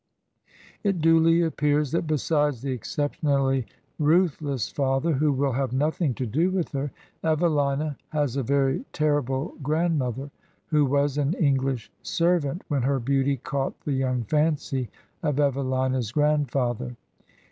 It duly appears that, besides the exceptionally ruth 15 Digitized by VjOOQIC HEROINES OF FICTION less father who will have nothing to do with her, Evelina has a very terrible grandmother, who was an EngUsh servant when her beauty caught the young fancy of Evelina's grandfather.